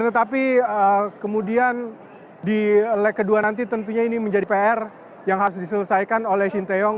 tetapi kemudian di leg kedua nanti tentunya ini menjadi pr yang harus diselesaikan oleh shin taeyong